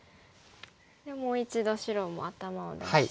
でもう一度白も頭を出して。